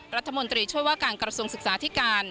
รัฐมนตรีช่วยว่าการกระทรวงศึกษาธิการ